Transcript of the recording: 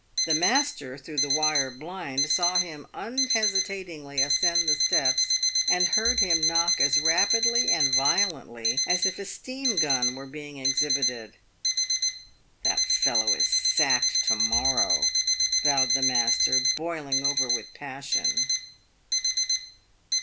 The master, through the wire blind, saw him unhesitatingly ascend the steps, and heard him knock as rapidly and violently as if a steam gun were being exhibited. " That fellow is sacked to morrow !" vowed the master, boiling over with passion.